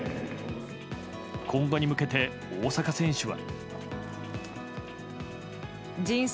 今後に向けて大坂選手は。